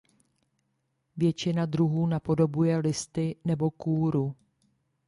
Většina druhů napodobuje listy nebo kůru.